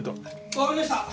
わかりました！